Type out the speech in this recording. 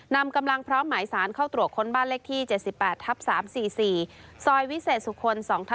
นำกำลังพร้อมหมายสารเข้าตรวจค้นบ้านเลขที่๗๘ทับ๓๔๔ซอยวิเศษสุคล๒๕๖